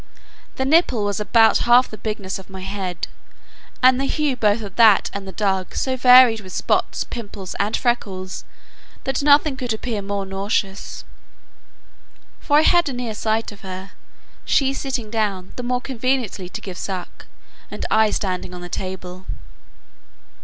The nipple was about half the bigness of my head, and the hue both of that and the dug, so varied with spots, pimples, and freckles, that nothing could appear more nauseous: for I had a near sight of her, she sitting down, the more conveniently to give suck, and I standing on the table.